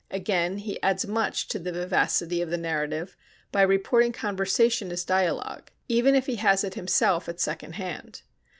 Again, he adds much to the vivacity of the narrative by reporting conversation as a dialogue, even if he has it himself at second hand.